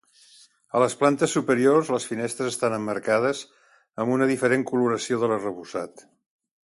A les plantes superiors les finestres estan emmarcades amb una diferent coloració de l'arrebossat.